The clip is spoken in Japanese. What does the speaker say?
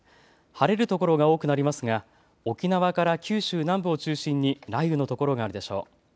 晴れる所が多くなりますが沖縄から九州南部を中心に雷雨の所があるでしょう。